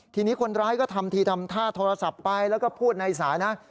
ทีนี้คนร้ายก็ทำทีทำท่าโทรศัพท์ไปแล้วก็พูดในสายนะ